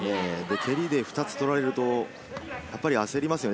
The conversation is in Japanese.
蹴りで２つ取られると、やはり焦りますよね。